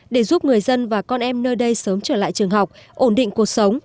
để giúp người dân và con em nơi đây sớm trở lại trường học ổn định cuộc sống